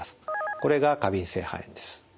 これが過敏性肺炎です。